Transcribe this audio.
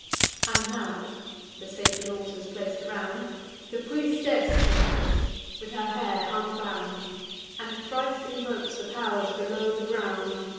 And now (the sacred altars plac'd around) The priestess enters, with her hair unbound, And thrice invokes the pow'rs below the ground.